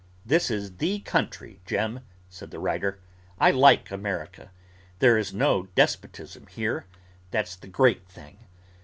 'This is the country, Jem,' said the writer. 'I like America. There is no despotism here; that's the great thing.